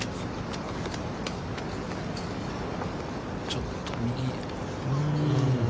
ちょっと右。